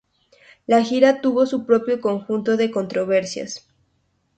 La gira tuvo su propio conjunto de controversias.